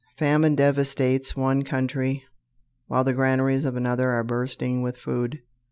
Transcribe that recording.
Famine devastates one country, while the granaries of another are bursting with food.